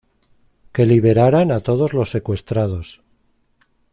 Que liberaran a todos los secuestrados.